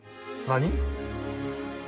何！？